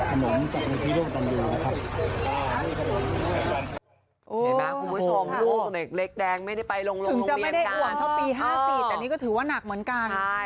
คุณผู้ชมลูกเล็กแดงไม่ได้ไปลงลงเรียนการ